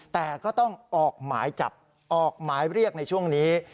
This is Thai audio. แต่ก็ต้องออกหมายจับออกหมายเรียกในช่วงนี้